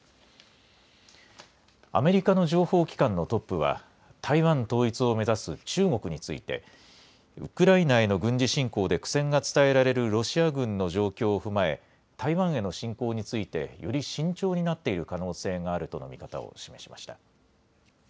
アメリカの情報機関のトップは、台湾統一を目指す中国について、ウクライナへの軍事侵攻で苦戦が伝えられるロシア軍の状況を踏まえ、台湾への侵攻について、より慎重になっている可能性があるとの見方を示しました。